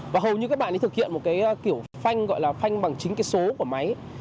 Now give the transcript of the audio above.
và hầu như các bạn ấy thực hiện một cái kiểu phanh gọi là phanh bằng chính cái số của máy